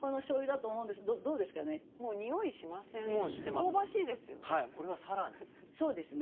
香ばしいですよね。